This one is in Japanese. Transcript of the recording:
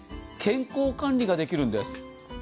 健康管理ができるんです。